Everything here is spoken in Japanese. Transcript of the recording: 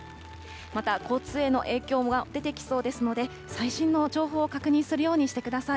また、交通への影響も出てきそうですので、最新の情報を確認するようにしてください。